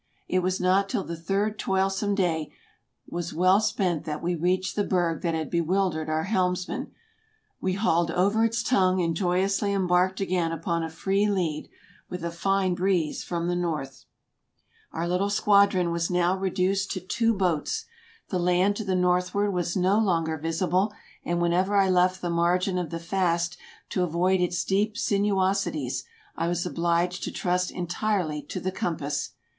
It was not till the third toilsome day was well spent that we reached the berg that had bewildered our helmsman. We hauled over its tongue and joyously em barked again upon a free lead, with a fine breeze from the north. Our little squadron was now reduced to two boats. The land to the northward was no longer visible, and whenever I left the margin of the fast to avoid its deep sinuosities, I was obliged to trust entirely to the compass.